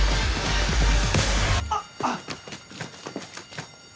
あっ！